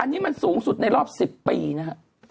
อันนี้มันสูงสุดในรอบ๑๐ปีนะฮะ